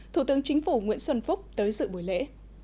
thủ tướng chính phủ nguyễn xuân phúc tới dự buổi lễ